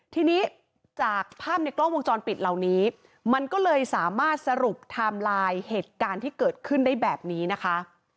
ทีนี้จากภาพในกล้องวงจรปิดเหล่านี้มันก็เลยสามารถสรุปไทม์ไลน์เหตุการณ์ที่เกิดขึ้นได้แบบนี้นะคะ